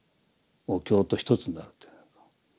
お経と一つになるという。